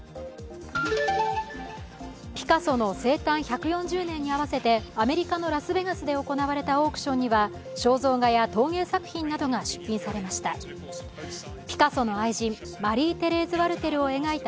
ピカソの生誕１４０年に合わせてアメリカのラスベガスで行われたオークションには肖像画や陶芸作品などが出品されました。